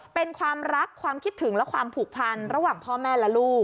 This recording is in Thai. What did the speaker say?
เป็นความรักความคิดถึงและความผูกพันระหว่างพ่อแม่และลูก